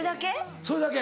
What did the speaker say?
それだけ？